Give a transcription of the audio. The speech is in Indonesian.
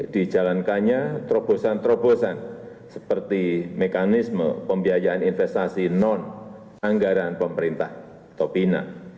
dijalankannya terobosan terobosan seperti mekanisme pembiayaan investasi non anggaran pemerintah topina